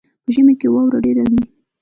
په ژمي کې واوره ډیره وي.